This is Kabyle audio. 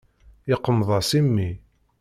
Yeqmeḍ-as imi.